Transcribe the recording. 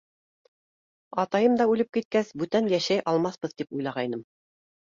Атайым да үлеп киткәс, бүтән йәшәй алмаҫбыҙ тип уйлағайным.